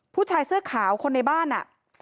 ผู้ชายเสื้อขาวคนในบ้านอ่ะ